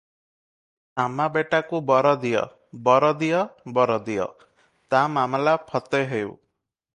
ଶାମା ବେଟାକୁ ବର ଦିଅ - ବର ଦିଅ - ବର ଦିଅ, ତା ମାମଲା ଫତେ ହେଉ ।"